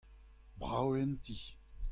Brav eo an ti.